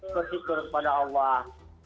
bersyukur kepada allah